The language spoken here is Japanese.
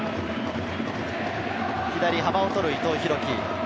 左、幅を取る伊藤洋輝。